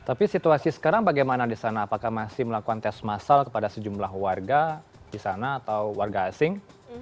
tapi situasi sekarang bagaimana di sana apakah masih melakukan tes masal kepada sejumlah warga di sana atau warga asing